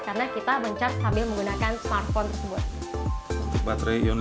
karena kita menggunakan charger original